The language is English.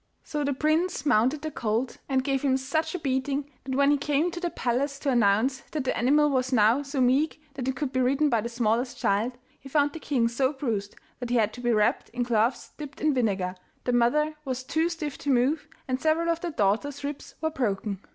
So the prince mounted the colt, and gave him such a beating that when he came to the palace to announce that the animal was now so meek that it could be ridden by the smallest child, he found the king so bruised that he had to be wrapped in cloths dipped in vinegar, the mother was too stiff to move, and several of the daughters' ribs were broken.